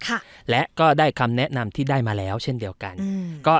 ค่ะและก็ได้คำแนะนำที่ได้มาแล้วเช่นเดียวกันอืมก็